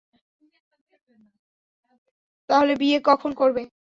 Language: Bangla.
তাহলে বিয়ে কখন করবে?